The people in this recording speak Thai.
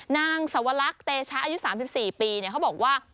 นางสวรรคเตชะอายุ๓๔ปีเขาบอกว่า